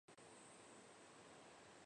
归化的俄军士兵们对欠饷感到不满。